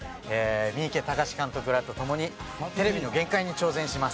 三池崇史監督らと共にテレビの限界に挑戦します。